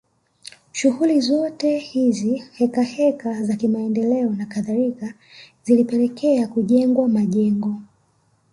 Shughuli zote hizi hekaheka za kimaendeleo na kadhalika zilipelekea kujengwa majengo